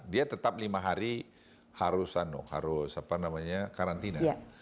dia tetap lima hari harus karantina